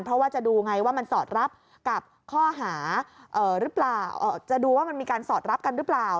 เพราะว่าจะดูไงว่ามันสอดรับกับข้อหาหรือเปล่าจะดูว่ามันมีการสอดรับกันหรือเปล่า